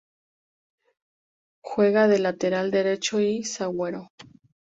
Juega de lateral derecho, y zaguero.